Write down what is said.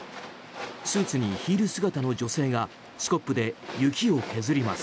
スーツにヒール姿の女性がスコップで雪を削ります。